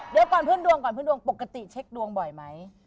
เดี๋ยวก่อนพื้นดวงก่อนพื้นดวงปกติเช็คดวงบ่อยไหม